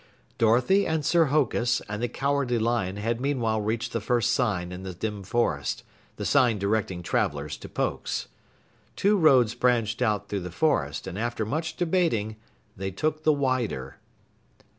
Dorothy and Sir Hokus and the Cowardly Lion had meanwhile reached the first sign in the dim forest, the sign directing travelers to Pokes. Two roads branched out through the forest, and after much debating they took the wider.